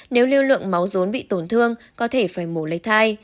nếu lưu lượng máu rốn bị tổn thương có thể phải mổ lấy thai